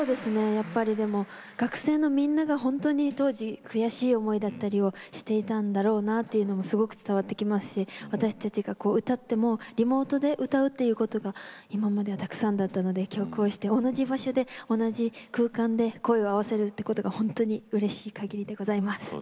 やっぱりでも学生のみんながほんとに当時悔しい思いだったりをしていたんだろうなっていうのもすごく伝わってきますし私たちが歌ってもリモートで歌うということが今まではたくさんだったので今日こうして同じ場所で同じ空間で声を合わせるってことがほんとにうれしいかぎりでございます。